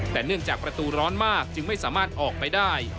แต่เนื่องจากประตูร้อนมากจึงไม่สามารถออกไปได้